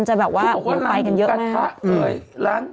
คนจะแบบว่าไปกันเยอะมาก